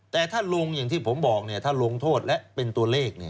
แต่ถ้าลงอย่างที่ผมบอกถ้าลงโทษและเป็นตัวเลข